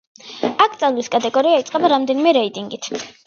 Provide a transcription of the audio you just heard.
აკრძალვის კატეგორია იწყება რამდენიმე რეიტინგით.